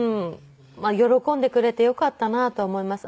喜んでくれてよかったなとは思います。